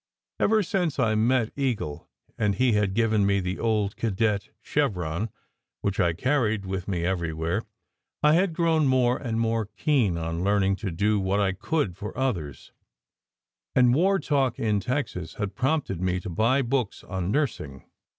Ever since I met Eagle and he had given me the old cadet chevron, which I carried with me everywhere, I had grown more and more keen on learning to do what I could for others, and war talk in Texas had prompted me to buy books on nursing.